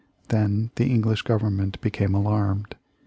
Then the English Government became alarmed.